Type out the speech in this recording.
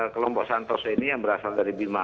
kelompok santoso ini yang berasal dari bima